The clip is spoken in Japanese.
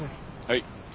はい。